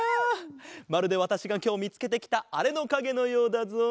まるでわたしがきょうみつけてきたあれのかげのようだぞ。